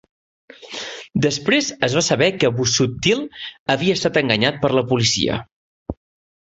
Després es va saber que Busuttil havia estat enganyat per la policia.